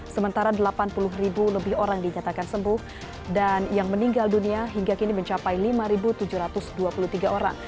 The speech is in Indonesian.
sementara delapan puluh lebih orang dinyatakan sembuh dan yang meninggal dunia hingga kini mencapai lima tujuh ratus dua puluh tiga orang